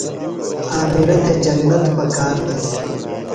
عامرہ تھےۡ جنت پکار دےۡ۔